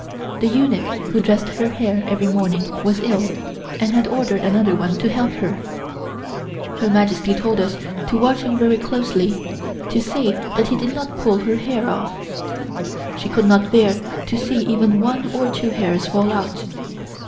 The eunuch who dressed her hair every morning was ill, and had ordered another one to help her. Her Majesty told us to watch him very closely to see that he did not pull her hair off. She could not bear to see even one or two hairs fall out.